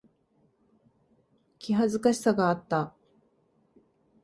気恥ずかしさがあった。